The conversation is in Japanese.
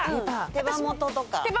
手羽元とか。